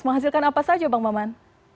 menghasilkan apa saja bang maman